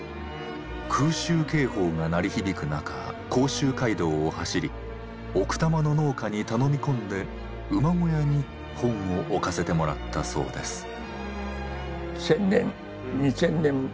空襲警報が鳴り響く中甲州街道を走り奥多摩の農家に頼み込んで馬小屋に本を置かせてもらったそうです。